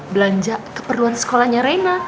belanja keperluan sekolahnya reina